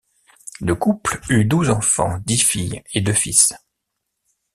Le couple eut douze enfants, dix filles et deux fils.